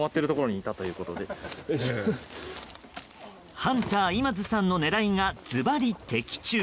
ハンター今津さんの狙いがズバリ的中。